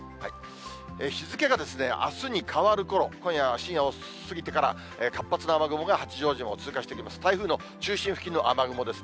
日付があすに変わるころ、今夜、深夜を過ぎてから、活発な雨雲が八丈島を通過していきます。